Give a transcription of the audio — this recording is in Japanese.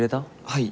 はい。